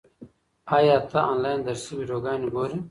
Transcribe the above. ایا ته آنلاین درسي ویډیوګانې ګورې؟